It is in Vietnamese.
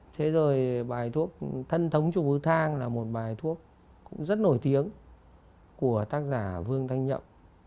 thế rồi bài thuốc thân thống chung với thang là một bài thuốc cũng rất nổi tiếng của tác giả vương thanh nhậm